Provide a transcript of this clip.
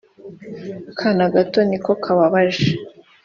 akana gato niko kababaje